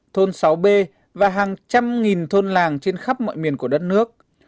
thôn sáu b và hàng trăm nghìn thôn làng trên khắp mọi miền của đất nước